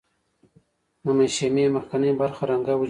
د مشیمیې مخکینۍ برخه رنګه حجرې لري.